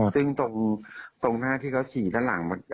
ซึ่งตรงหน้าที่เขาฉี่ด้านหลัง